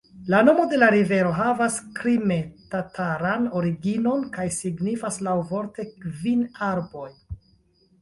La nomo de la rivero havas krime-tataran originon kaj signifas laŭvorte «kvin arboj».